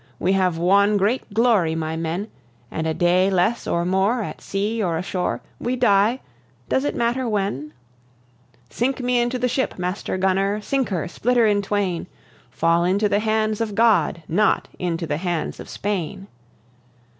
We have won great glory, my men! And a day less or more At sea or ashore, We die does it matter when? Sink me the ship, Master Gunner sink her, split her in twain! Fall into the hands of God, not into the hands of Spain!"